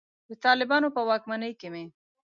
د طالبانو په واکمنۍ کې مې.